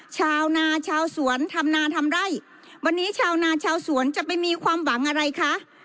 ชาวนาชาวสวนทำนาทำไร่วันนี้ชาวนาชาวสวนจะไปมีความหวังอะไรคะ